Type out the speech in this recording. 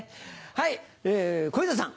はい小遊三さん。